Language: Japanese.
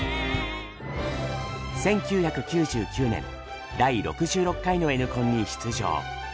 １９９９年第６６回のＮコンに出場。